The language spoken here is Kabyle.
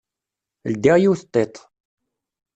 Ldiɣ yiwet n tiṭ.